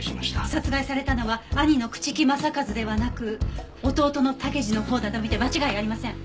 殺害されたのは兄の朽木政一ではなく弟の武二のほうだと見て間違いありません。